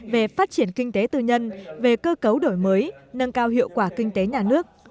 về phát triển kinh tế tư nhân về cơ cấu đổi mới nâng cao hiệu quả kinh tế nhà nước